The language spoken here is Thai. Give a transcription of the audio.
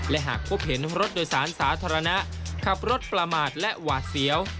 และหากพบเห็นรถโดยสารสาธารณะขับรถประมาทและหวาดเสียว